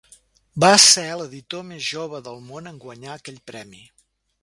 Va ser l"editor més jove del món en guanyar aquell premi.